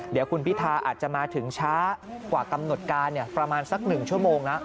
เดี๋ยวคุณพิธาอาจจะมาถึงช้ากว่ากำหนดการประมาณสัก๑ชั่วโมงแล้ว